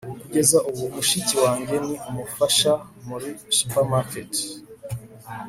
kugeza ubu, mushiki wanjye ni umufasha muri supermarket